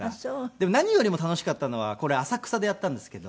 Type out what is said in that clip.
でも何よりも楽しかったのはこれ浅草でやったんですけど。